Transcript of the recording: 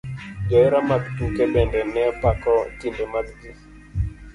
Johera mag tuke bende nepako timbe mag gi.